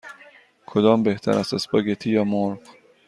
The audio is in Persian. کدام بهتر است: اسپاگتی یا مرغ؟